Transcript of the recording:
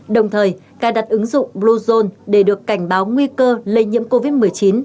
đồng thời cài đặt ứng dụng bluezone để được cảnh báo nguy cơ lây nhiễm covid một mươi chín